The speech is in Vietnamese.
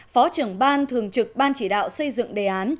phó trưởng ban thường trực ban chỉ đạo xây dựng đề án